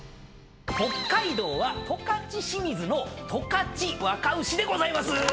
北海道は十勝清水の十勝若牛でございます！